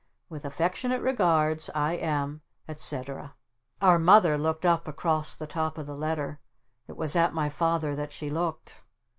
"With affectionate regards, I am, etc. " Our Mother looked up across the top of the letter. It was at my Father that she looked.